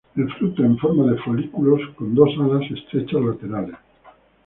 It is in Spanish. El fruto en forma de folículos con dos alas estrechas laterales.